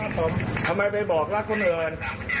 ทำไมไปบอกรักคนอื่น